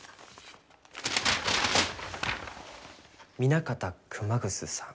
南方熊楠さん。